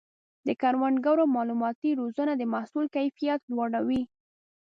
د کروندګرو مالوماتي روزنه د محصول کیفیت لوړوي.